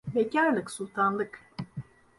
Bekarlık sultanlık.